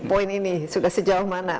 poin ini sudah sejauh mana